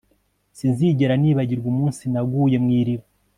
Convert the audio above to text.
Sinzigera nibagirwa umunsi naguye mu iriba